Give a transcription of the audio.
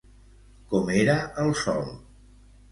Com era el sòl?